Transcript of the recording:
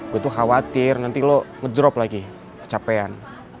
gue tuh khawatir nanti lo nge drop lagi kecapean